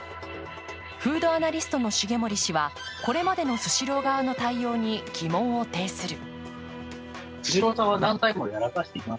フードアナリストの重盛氏は、これまでのスシロー側の対応に疑問を呈する。